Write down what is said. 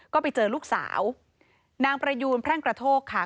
ก็ไปเจอลูกสาวนางประยูนแพร่งกระโทกค่ะ